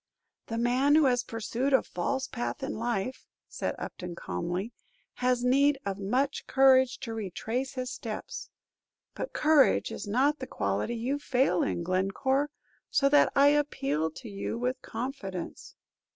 "The man who has pursued a false path in life," said Upton, calmly, "has need of much courage to retrace his steps; but courage is not the quality you fail in, Glencore, so that I appeal to you with confidence."